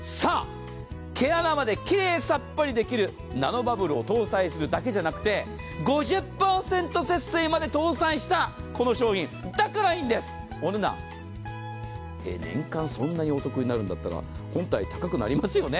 毛穴まできれいさっぱりできるナノバブルを搭載するだけじゃなくて、５０％節水まで搭載したこの商品、だからいいんです、お値段、年間そんなにお得になるんだったら本体高くなりますよね？